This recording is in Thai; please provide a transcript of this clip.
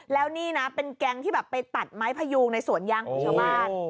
แล้วนี่นะเป็นแก๊งที่แบบไปตัดไม้พยูงในสวนยางของชาวบ้าน